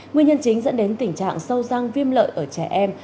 nguyên nhân chính dẫn đến tình trạng sâu răng viêm lợi ở trẻ em